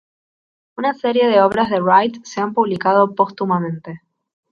Una serie de obras de Wright se han publicado póstumamente.